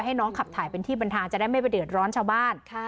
ให้น้องขับถ่ายเป็นที่บรรทางจะได้ไม่ไปเดือดร้อนชาวบ้าน